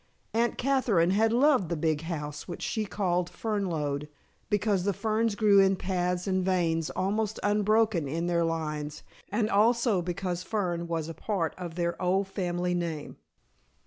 Aunt Katherine had loved the big house which she had called Fernlode, because the ferns grew in paths and veins almost unbroken in their lines, and also because Fern was a part of their old family name.